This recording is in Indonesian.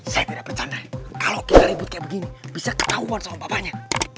saya tidak bercanda kalau kita libut kayak begini bisa ketahuan sama bapaknya